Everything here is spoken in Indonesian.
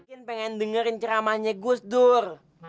mungkin pengen dengerin ceramahnya gus dur